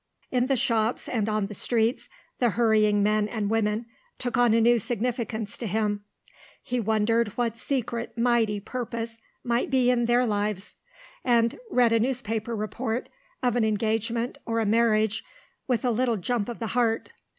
In the shops and on the streets the hurrying men and women took on a new significance to him. He wondered what secret mighty purpose might be in their lives, and read a newspaper report of an engagement or a marriage with a little jump of the heart.